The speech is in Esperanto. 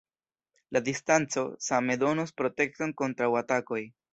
La distanco same donos protekton kontraŭ atakoj.